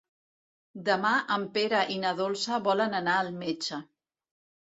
Demà en Pere i na Dolça volen anar al metge.